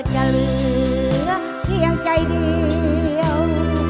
จะเหลือเพียงใจเดียว